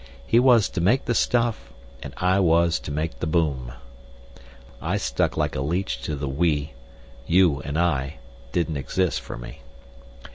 He was to make the stuff, and I was to make the boom. I stuck like a leech to the "we"—"you" and "I" didn't exist for me.